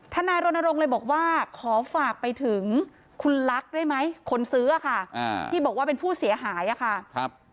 นายรณรงค์เลยบอกว่าขอฝากไปถึงคุณลักษณ์ได้ไหมคนซื้อค่ะที่บอกว่าเป็นผู้เสียหายค่ะ